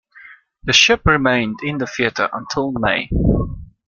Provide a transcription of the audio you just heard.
The ship remained in theatre until May.